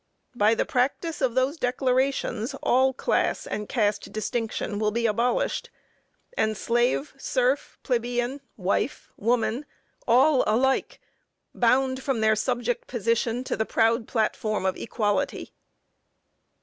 By the practice of those declarations all class and caste distinction will be abolished; and slave, serf, plebeian, wife, woman, all alike, bound from their subject position to the proud platform of equality.